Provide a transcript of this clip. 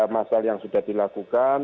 masal yang sudah dilakukan